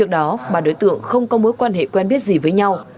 đối tượng không có mối quan hệ quen biết gì với nhau